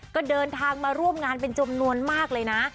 ก็เดินทางมาร่วมงานเป็นจำนวนมากเลยนะ